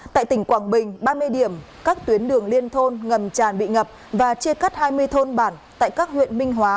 tại tỉnh quảng bình ba mươi điểm các tuyến đường liên thôn ngầm tràn bị ngập và chia cắt hai mươi thôn bản tại các huyện minh hóa